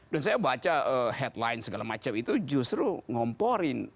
dan saya baca headline segala macam itu justru ngomporin